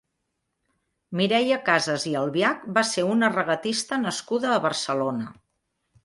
Mireia Casas i Albiach va ser una regatista nascuda a Barcelona.